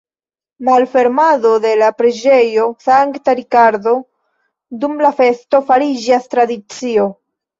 Malfermado de la preĝejo Sankta Rikardo dum la festo fariĝas tradicio.